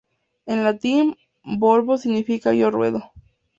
En latín, Volvo significa "yo ruedo".